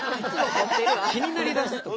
気になりだすと。